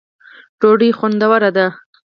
ډوډۍ خوندوره ده.